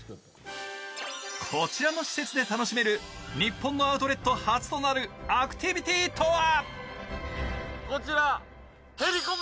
こちらの施設で楽しめる日本のアウトレット初となるアクティビティとは？